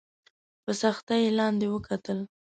په سختۍ یې لاندي وکتل !